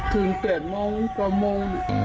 ถึง๗มกว่าโมง